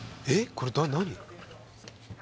これ何？